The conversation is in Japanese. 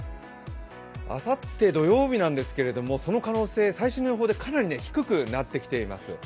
あさって土曜日なんですけれども、その可能性、最新の予報でかなり低くなってきています。